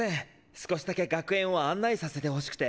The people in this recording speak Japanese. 少しだけ学園を案内させてほしくて。